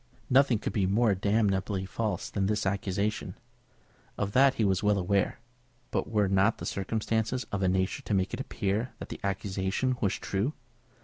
Nothing could be more damnably false than this accusation. Of that he was well aware. But were not the circumstances of a nature to make it appear that the accusation was true?